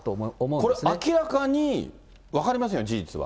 これ、明らかに、分かりませんよ、事実は。